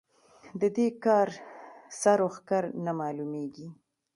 د دې کار سر و ښکر نه مالومېږي.